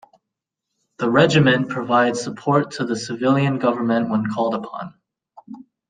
The Regiment provides support to the civilian government when called upon.